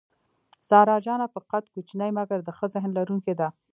سارا جانه په قد کوچنۍ مګر د ښه ذهن لرونکې ده.